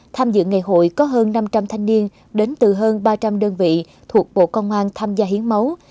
tham dự ngày hội có hơn năm trăm linh thanh niên đến từ hơn ba trăm linh đơn vị thuộc bộ công an tham gia hiến máu